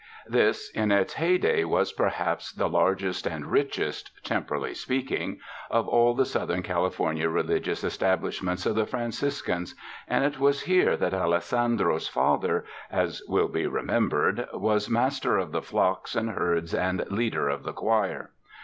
This, in its heyday, was perliaps the largest and richest — tem porally speaking — of all the Southern California religious establishments of the Franciscans, and it was here that Alessandro's father, as will be remem bered, was master of the flocks and herds and leader of the choir.